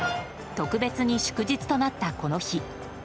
特別に祝日となった、この日。